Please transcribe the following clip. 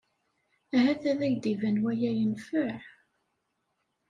Ahat ad ak-d-iban waya yenfeɛ.